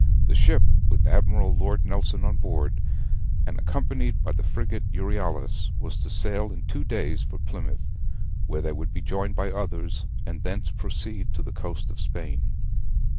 The ship, with Admiral Lord Nelson on board, and accompanied by the frigate Euryalus, was to sail in two days for Plymouth, where they would be joined by others, and thence proceed to the coast of Spain.